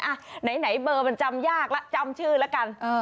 อ่าไหนไหนเบอร์มันจำยากล่ะจำชื่อแล้วกันเออ